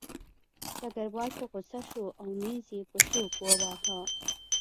ډګروال په غوسه شو او مېز یې په سوک وواهه